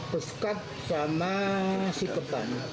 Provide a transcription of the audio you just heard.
beskap sama sikepan